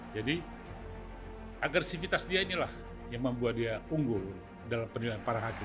jadi agresivitasnya inilah yang membuat dia unggul dalam penilaian para hakim